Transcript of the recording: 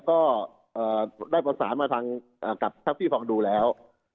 ก็ได้ประสานมาทางท่านพี่ฟ้าภังดูแล้ว